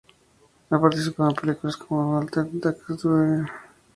Ha participado en películas como "Whatever It Takes", "Dude, Where's My Car?